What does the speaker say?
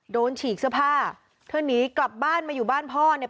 ฉีกเสื้อผ้าเธอหนีกลับบ้านมาอยู่บ้านพ่อเนี่ย